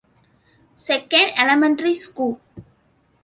Second: elementary school.